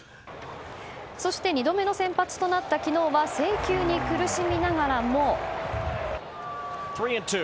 そして２度目の先発となった昨日は制球に苦しみながらも。